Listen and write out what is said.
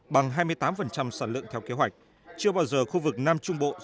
bằng hai mươi tám sản lượng theo kế hoạch